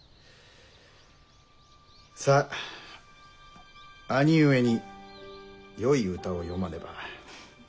さあ兄上によい歌を詠まねば。